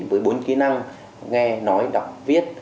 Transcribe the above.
với bốn kỹ năng nghe nói đọc viết